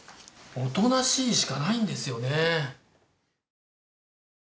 おとなしいしかないんですよね。